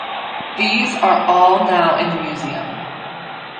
These are all now in the museum.